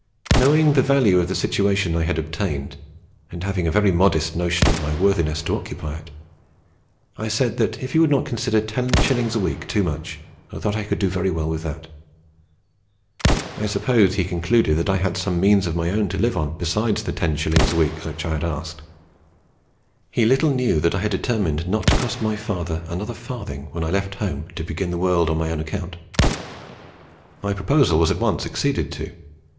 Knowing the value of the situation I had obtained, and having a very modest notion of my worthiness to occupy it, I said, that if he would not consider 10s. a week too much, I thought I could do very well with that. I suppose he concluded that I had some means of my own to live on besides the 10s. a week which I asked. He little knew that I had determined not to cost my father another farthing when I left home to begin the world on my own account. My proposal was at once acceded to.